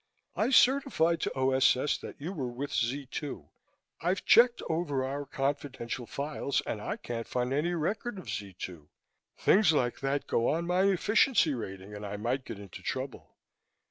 "I certified to O.S.S. that you were with Z 2. I've checked over our confidential files and I can't find any record of Z 2. Things like that go on my efficiency rating and I might get into trouble.